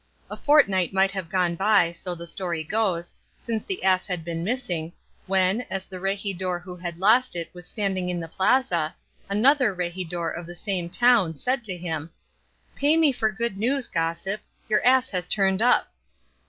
A fortnight might have gone by, so the story goes, since the ass had been missing, when, as the regidor who had lost it was standing in the plaza, another regidor of the same town said to him, 'Pay me for good news, gossip; your ass has turned up.